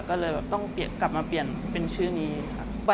ก็เลยแบบต้องกลับมาเปลี่ยนเป็นชื่อนี้ครับ